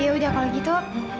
yaudah kalau gitu